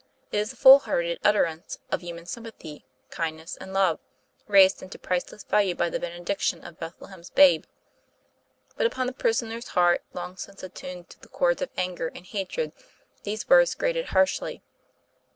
It is the full hearted utterance of human sympathy, kindness and love, raised into priceless value by the benediction of Bethlehem's Babe. But upon the prisoner's heart, long since attuned to the chords of anger and hatred, these words grated harshly.